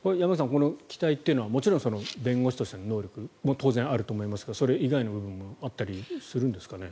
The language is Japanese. この期待というのはもちろん弁護士としての能力も当然あると思いますがそれ以外の部分もあったりするんですかね。